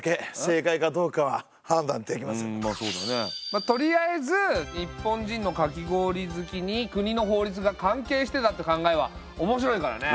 まあとりあえず日本人のかき氷好きに国の法律が関係してたって考えは面白いからね。